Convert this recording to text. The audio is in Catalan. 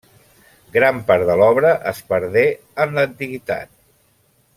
Gran part de l'obra es perdé en l'antiguitat.